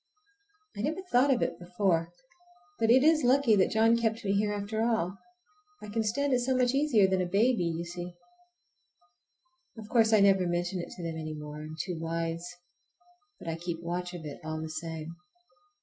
I never thought of it before, but it is lucky that John kept me here after all. I can stand it so much easier than a baby, you see. Of course I never mention it to them any more,—I am too wise,—but I keep watch of it all the same.